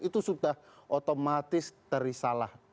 itu sudah otomatis terisalah